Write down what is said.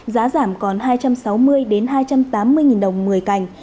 giá giảm còn hai trăm sáu mươi hai trăm tám mươi đồng một mươi cành